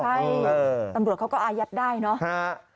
ใช่ตำรวจเขาก็อายัดได้เนาะ